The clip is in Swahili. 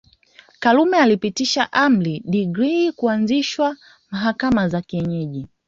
Karume alipitisha amri decree ya kuanzishwa mahakama za kienyeji